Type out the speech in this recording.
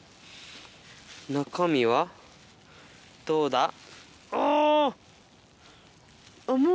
どうだ？